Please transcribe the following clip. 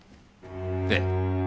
ええ。